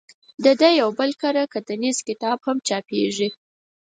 د ده یو بل کره کتنیز کتاب هم چاپېږي.